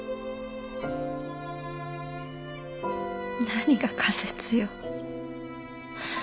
何が仮説よ？